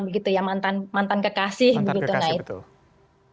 begitu ya mantan kekasih begitu